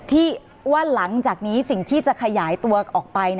ที่ว่าหลังจากนี้สิ่งที่จะขยายตัวออกไป